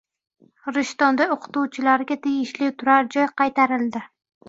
Rishtonda o‘qituvchilarga tegishli turar-joy qaytarildi